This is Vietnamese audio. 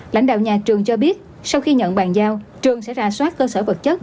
lãnh đạo nhà trường cho biết sau khi nhận bàn giao trường sẽ ra soát cơ sở vật chất